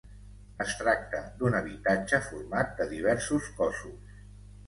Es tracta d'un habitatge format de diversos cossos.